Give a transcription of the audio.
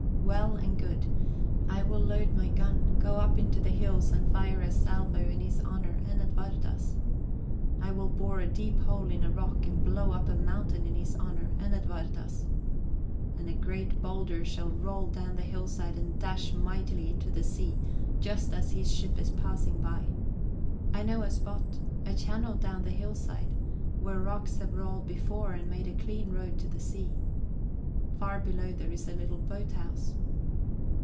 Well and good: I will load my gun, go up into the hills, and fire a salvo in his honour and Edwarda's. I will bore a deep hole in a rock and blow up a mountain in his honour and Edwarda's. And a great boulder shall roll down the hillside and dash mightily into the sea just as his ship is passing by. I know a spot a channel down the hillside where rocks have rolled before and made a clean road to the sea. Far below there is a little boat house.